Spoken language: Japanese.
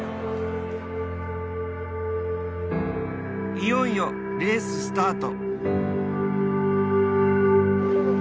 いよいよレーススタート。